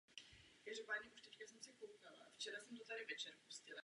Jako i ostatní františkáni zřejmě nejprve přednášel filozofii.